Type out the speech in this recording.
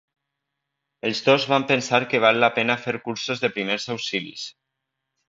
Els dos van pensar que val la pena fer cursos de primers auxilis.